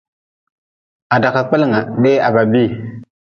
Ha da ka kpelnga lee ha ludan.